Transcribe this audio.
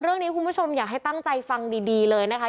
เรื่องนี้คุณผู้ชมอยากให้ตั้งใจฟังดีเลยนะคะ